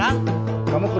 bang di mana